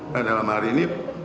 nah dalam hari ini